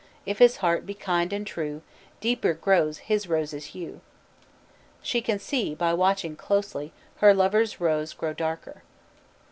If his heart be kind and true, Deeper grow his rose's hue." She can see, by watching closely, her lover's rose grow darker.